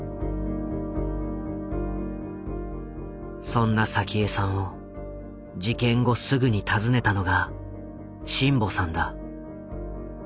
そんな早紀江さんを事件後すぐに訪ねたのが眞保さんだ。